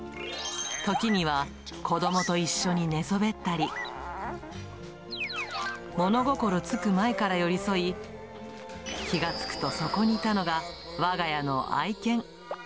時には子どもと一緒に寝そべったり、物心つく前から寄り添い、気が付くとそこにいたのがわが家の愛犬。